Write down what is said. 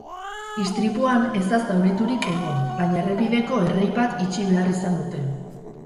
Istripuan ez da zauriturikegon, baina errepideko errei bat itxi behar izan dute.